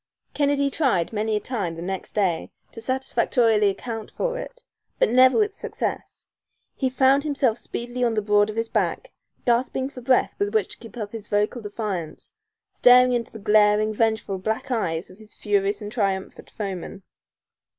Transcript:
Kennedy tried many a time next day to satisfactorily account for it, but never with success. He found himself speedily on the broad of his back, gasping for breath with which to keep up his vocal defiance, staring up into the glaring, vengeful black eyes of his furious and triumphant foeman.